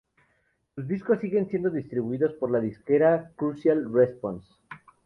Sus discos siguen siendo distribuidos por la disquera Crucial Response.